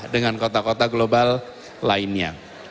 dengan kota kota global lainnya